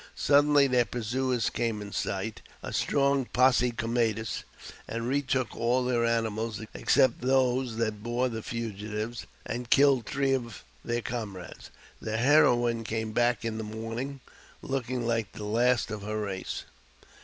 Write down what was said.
Suddenly their pur suers came in sight — a strong posse comitatus — and retook all their animals except those that bore the fugitives, and killed three of their comrades. The heroine came back in mourning, looking like the last of her race.